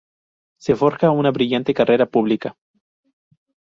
Se forja una brillante carrera pública.